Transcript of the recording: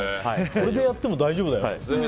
これでやっても大丈夫だよ。